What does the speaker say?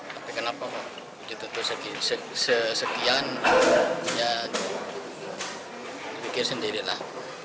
tapi kenapa kok dituntut sekian ya pikir sendiri lah